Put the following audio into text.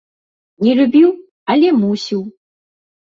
Не любіў, але мусіў.